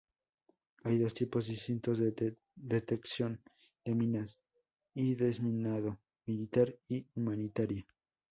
Hay dos tipos distintos de detección de minas y desminado: militar y humanitaria.